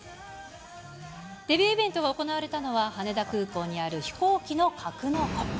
デビューイベントが行われたのは、羽田空港にある飛行機の格納庫。